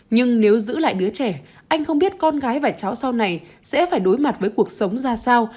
nhưng nếu giữ lại đứa trẻ anh không biết con gái và cháu sau này sẽ phải đối mặt với cuộc sống ra sao